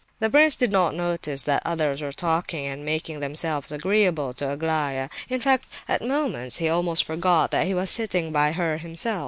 The prince did not notice that others were talking and making themselves agreeable to Aglaya; in fact, at moments, he almost forgot that he was sitting by her himself.